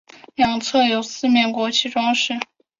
两侧有四面国旗装饰。